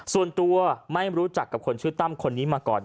ส่วนตัวไม่รู้จักกับคนชื่อตั้มคนนี้มาก่อน